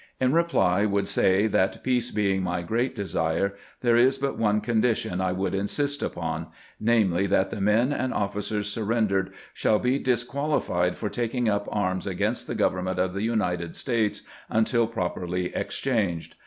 In reply would say that, peace being my great desire, there is but one condition I would insist upon— namely, that the men and offi cers surrendered shall be disquahfled for taking up arms against the Government of the United States until properly exchanged.